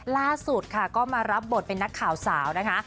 ล่าสุดค่ะก็มารับบทเป็นนักข่าวสาวนะคะ